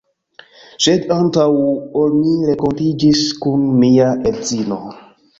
Sed antaŭ ol mi renkontiĝis kun mia edzino